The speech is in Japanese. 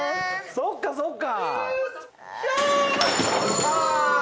そっかそっかひゃ！